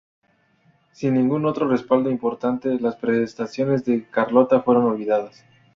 Sin ningún otro respaldo importante, las pretensiones de Carlota fueron olvidadas.